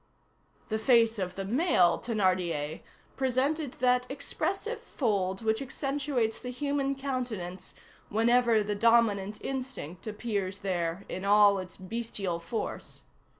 The face of the male Thénardier presented that expressive fold which accentuates the human countenance whenever the dominant instinct appears there in all its bestial force.